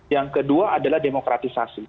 yang kedua adalah demokratisasi